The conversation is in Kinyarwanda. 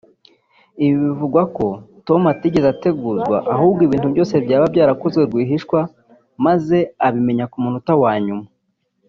Ibi bikavugwa ko Tom atigeze ateguzwa ahubwo ibintu byose byaba byarakozwe rwihishwa maze abimenya ku munota wa nyuma